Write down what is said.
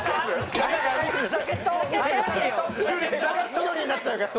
緑になっちゃうから。